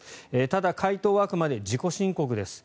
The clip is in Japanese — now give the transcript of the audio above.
ただ、回答はあくまで自己申告です。